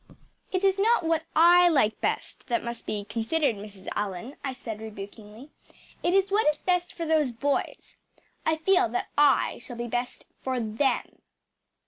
“It is not what I like best that must be considered, Mrs. Allan,‚ÄĚ I said rebukingly. “It is what is best for those boys. I feel that I shall be best for THEM.